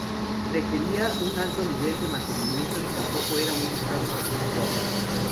Requería un alto nivel de mantenimiento y tampoco era muy usado por los usuarios.